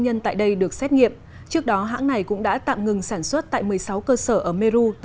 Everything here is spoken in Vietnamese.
nhân tại đây được xét nghiệm trước đó hãng này cũng đã tạm ngừng sản xuất tại một mươi sáu cơ sở ở meru từ